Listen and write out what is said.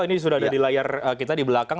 ini sudah ada di layar kita di belakang